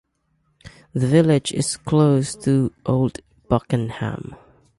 The village is close to Old Buckenham.